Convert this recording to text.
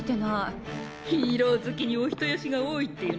ヒーロー好きにお人よしが多いっていうのはホントね。